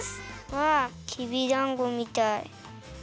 きびだんごみたい。